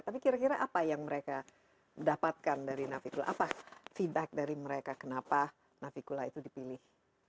tapi kira kira apa yang mereka dapatkan dari navicul apa feedback dari mereka kenapa navicula itu dipilih